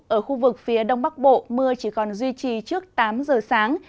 ở khu vực phía đông bắc bộ mưa chỉ còn duy trì trước tám giờ sáng